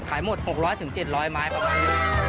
ขายหมด๖๐๐ถึง๗๐๐ไม้ประมาณ